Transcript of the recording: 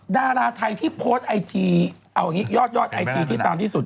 ดาราไทยที่โพสต์ไอจียอดไอจีที่ตามที่สุด